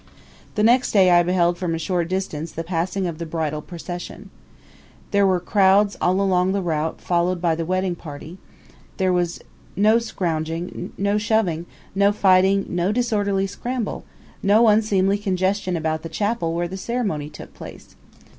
The next day I beheld from a short distance the passing of the bridal procession. Though there were crowds all along the route followed by the wedding party, there was no scrouging, no shoving, no fighting, no disorderly scramble, no unseemly congestion about the chapel where the ceremony took place.